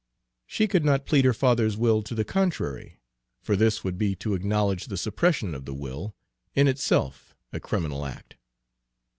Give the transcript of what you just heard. She could not plead her father's will to the contrary, for this would be to acknowledge the suppression of the will, in itself a criminal act.